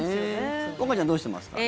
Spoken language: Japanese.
和歌ちゃん、どうしてますか？